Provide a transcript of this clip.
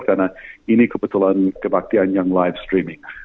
karena ini kebetulan kebaktian yang live streaming